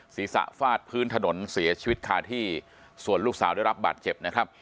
ศีรษะฟาดพื้นถนนเสียชีวิตคาที่ส่วนลูกสาวได้รับบาดเจ็บนะครับ